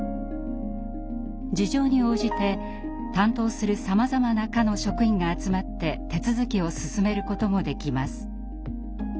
事情に応じて担当するさまざまな課の職員が集まって手続きを進めることもできます。